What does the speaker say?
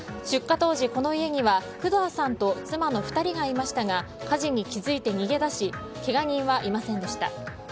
出火当時、この家には工藤さんと妻の２人がいましたが火事に気付いて逃げ出しけが人はいませんでした。